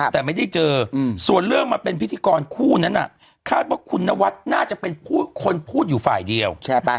แต่ไม่ได้เจอส่วนเรื่องมาเป็นพิธีกรคู่นั้นคาดว่าคุณนวัดน่าจะเป็นคนพูดอยู่ฝ่ายเดียว